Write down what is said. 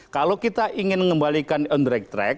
kalau kita ingin mengembalikan on the track